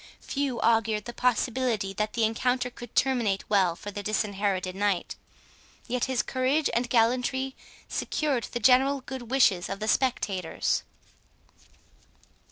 Few augured the possibility that the encounter could terminate well for the Disinherited Knight, yet his courage and gallantry secured the general good wishes of the spectators.